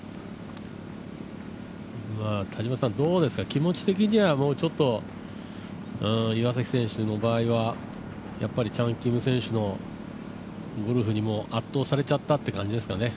気持ち的にはもうちょっと岩崎選手の場合はチャン・キム選手のゴルフに圧倒されちゃったという感じですかね？